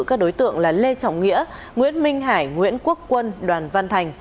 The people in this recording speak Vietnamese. các đối tượng là lê trọng nghĩa nguyễn minh hải nguyễn quốc quân đoàn văn thành